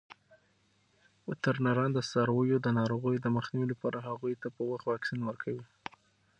وترنران د څارویو د ناروغیو د مخنیوي لپاره هغوی ته په وخت واکسین ورکوي.